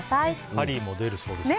ハリーも出るそうですから。